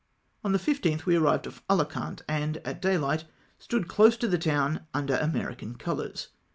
On the 15th we arrived off Ahcant, and at daylight stood close to the town under American colours.